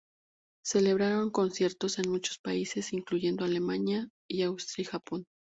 Celebraron conciertos en muchos países, incluyendo Alemania, Austria y Japón.